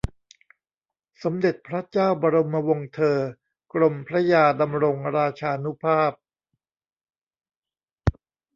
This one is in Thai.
สมเด็จพระเจ้าบรมวงศเธอ กรมพระยาดำรงราชานุภาพ